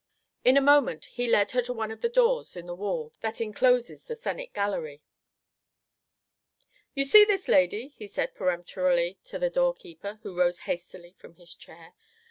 In a moment he led her to one of the doors in the wall that encloses the Senate Gallery. "You see this lady," he said peremptorily to the doorkeeper, who rose hastily from his chair.